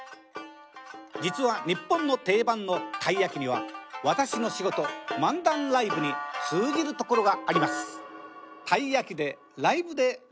実は日本の定番のたい焼きには私の仕事漫談ライブに通じるところがあります。